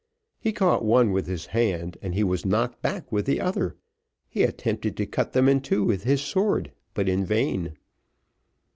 He caught one with his hand, and he was knocked back with the other. He attempted to cut them in two with his sword, but in vain.